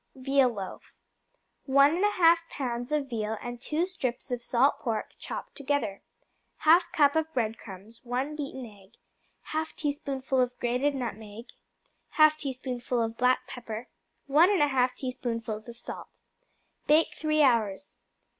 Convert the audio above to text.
Veal Loaf 1 1/2 pounds of veal and 2 strips of salt pork, chopped together. 1/2 cup of bread crumbs. 1 beaten egg. 1/2 teaspoonful of grated nutmeg. 1/2 teaspoonful of black pepper. 1 1/2 teaspoonfuls of salt. Bake three hours.